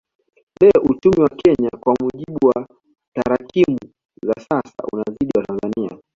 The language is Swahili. Leo uchumi wa Kenya kwa mujibu wa tarakimu za sasa unazidi wa Tanzania